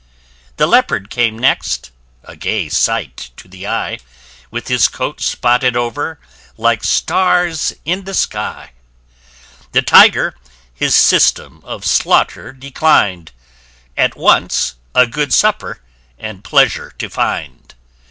The Leopard came next a gay sight to the eye, [p 6] With his coat spotted over like stars in the sky The Tiger his system of slaughter declin'd, At once, a good supper and pleasure to find.